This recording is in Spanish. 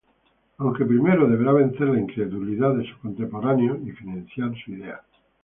Aunque primero deberá vencer la incredulidad de sus contemporáneos y financiar su idea.